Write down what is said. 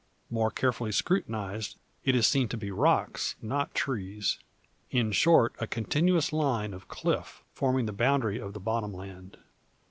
More carefully scrutinised, it is seen to be rocks, not trees; in short a continuous line of cliff, forming the boundary of the bottom land.